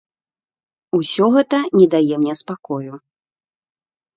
Усё гэта не дае мне спакою.